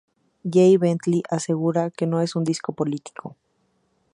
Jay Bentley asegura que ""no es un disco político.